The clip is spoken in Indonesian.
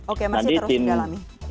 oke masih terus mendalami